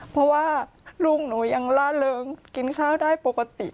เพราะว่าลูกหนูยังล่าเริงกินข้าวได้ปกติ